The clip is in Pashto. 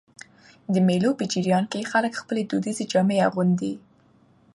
د مېلو په جریان کښي خلک خپلي دودیزي جامې اغوندي.